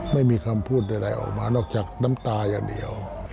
ไม่มีคำพูดใดออกมานอกจากน้ำตาอย่างเดียว